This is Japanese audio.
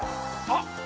あっ。